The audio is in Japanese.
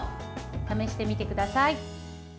試してみてください。